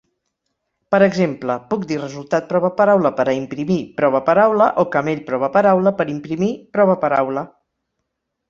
Per exemple, puc dir "resultat prova paraula" per a imprimir "prova paraula" o "camell prova paraula"per imprimir "provaParaula".